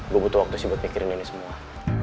gue butuh waktu sih buat mikirin ini semua